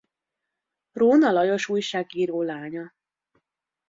Róna Lajos újságíró lánya.